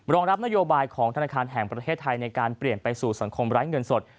รองรับนโยบายของธนาคารแห่งประเทศไทยในการเปลี่ยนไปสู่สังคมไร้เงินสด